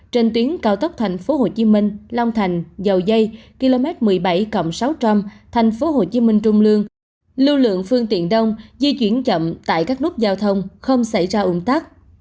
trên tuyến cao tốc tp hcm long thành dầu dây km một mươi bảy sáu trăm linh tp hcm trung lương lưu lượng phương tiện đông di chuyển chậm tại các nút giao thông không xảy ra ủng tắc